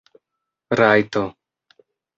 rajto